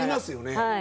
はい。